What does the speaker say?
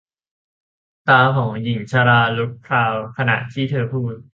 ตาของหญิงชราลุกพราวขณะที่เธอพูด